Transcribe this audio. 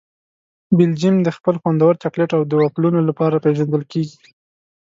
بلجیم د خپل خوندور چاکلېټ او وفلونو لپاره پېژندل کیږي.